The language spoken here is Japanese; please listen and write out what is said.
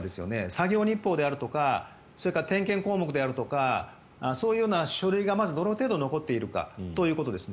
作業日報であるとか点検項目であるとかそういうような書類がまずどの程度残っているかということです。